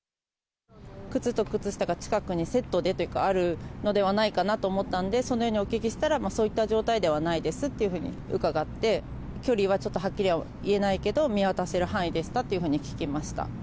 靴と靴下が近くにセットでというか、あるのではないかなと思ったんで、そのようにお聞きしたら、そういった状態ではないですっていうふうに伺って、距離はちょっとはっきりは言えないけれど、見渡せる範囲でしたというふうに聞きました。